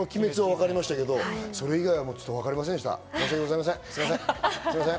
呪術と鬼滅はわかりましたけど、それ以外はわかりませんでした。